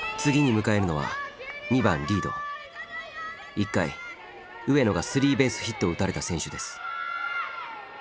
１回上野がスリーベースヒットを打たれた選手です。